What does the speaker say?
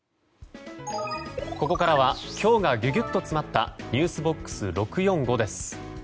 ここからは今日がギュギュッと詰まったｎｅｗｓＢＯＸ６４５です。